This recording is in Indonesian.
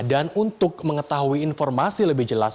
dan untuk mengetahui informasi lebih jelas